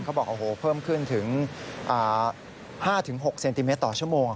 เขาบอกโอ้โหเพิ่มขึ้นถึง๕๖เซนติเมตรต่อชั่วโมง